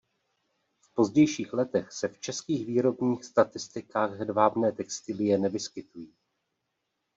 V pozdějších letech se v českých výrobních statistikách hedvábné textilie nevyskytují.